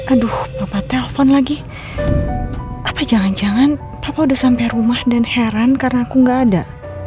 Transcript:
aduh papa telpon lagi apa jangan jangan papa udah sampai rumah dan heran karena aku gak ada